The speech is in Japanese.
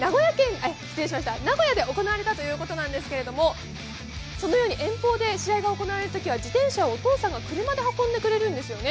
名古屋で行われたということなんですけれども遠方で大会が行われるときには自転車をお父さんが車で運んでくれるんですよね。